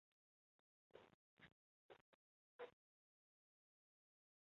是该组海山炼中最西端的海底山。